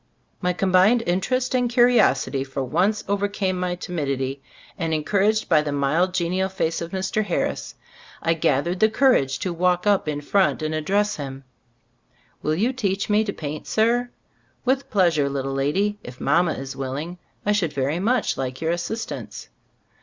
My combined in terest and curiosity for once over came my timidity, and encouraged by the mild, genial face of Mr. Harris, I gathered the courage to walk up in front and address him: "Will you teach me to paint, sir?" "With pleas ure, little lady, if mama is willing, I should very much like your assist ance."